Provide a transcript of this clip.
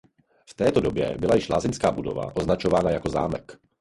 V této době byla již lázeňská budova označována jako zámek.